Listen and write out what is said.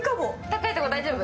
高いところ大丈夫？